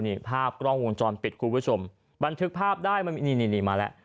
นี่ภาพกล้องวงจรปิดคุณผู้ชมบันทึกภาพได้มันมีนี่นี่มาแล้ว